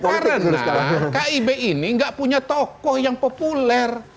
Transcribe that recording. karena kib ini nggak punya tokoh yang populer